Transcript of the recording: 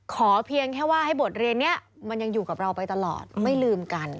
เพียงแค่ว่าให้บทเรียนนี้มันยังอยู่กับเราไปตลอดไม่ลืมกัน